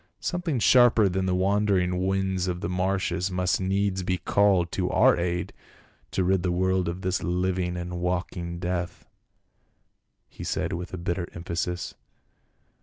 " Something sharper than the wandering winds of the marshes must needs be called to our aid to rid the world of this hving and walking death," he said with bitter emphasis.